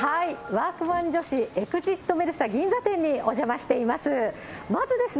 ワークマン女子、イグジットメルサ銀座店にお邪魔しています。